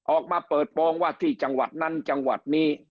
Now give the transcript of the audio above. ออกมาเปิดโปรงว่าที่จังหวัดนั้นจังหวัดนี้